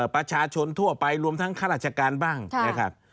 ประชาชนทั่วไปรวมทั้งข้าราชการบ้างนะครับ